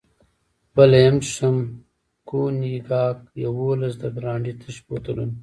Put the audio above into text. خپله یې هم څښم، کونیګاک، یوولس د برانډي تش بوتلونه.